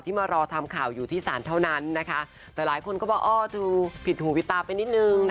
มารอทำข่าวอยู่ที่ศาลเท่านั้นนะคะแต่หลายคนก็บอกอ้อเธอผิดหูผิดตาไปนิดนึง